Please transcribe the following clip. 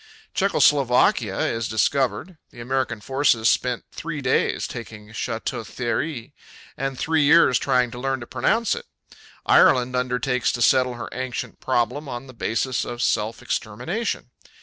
Czecho Slovakia is discovered. The American forces spent three days taking Château Thierry and three years trying to learn to pronounce it. Ireland undertakes to settle her ancient problem on the basis of self extermination.